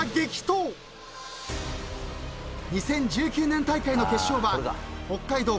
［２０１９年大会の決勝は北海道